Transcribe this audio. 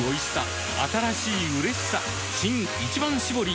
新「一番搾り」